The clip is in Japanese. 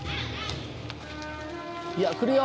いや来るよ